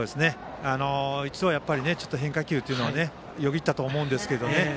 一度は変化球というのがよぎったと思うんですけどね。